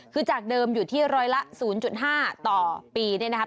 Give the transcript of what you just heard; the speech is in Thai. คือจากเดิมอยู่ที่ร้อยละ๐๕ต่อปีเนี่ยนะครับ